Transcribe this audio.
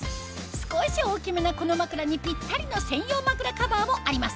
少し大きめなこの枕にピッタリの専用枕カバーもあります